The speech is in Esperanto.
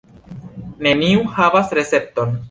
Neniu havas recepton.